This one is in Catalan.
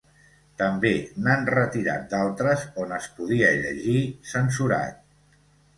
També n’han retirat d’altres on es podia llegir ‘censurat’.